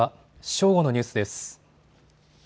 正午のニュースです。